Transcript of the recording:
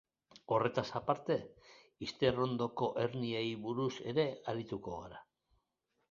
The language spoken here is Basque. Horretaz aparte, izterrondoko herniei buruz ere arituko gara.